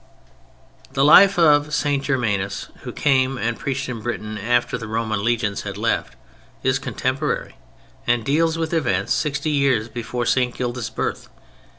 The life of St. Germanus, who came and preached in Britain after the Roman legions had left, is contemporary, and deals with events sixty years before St. Gildas' birth.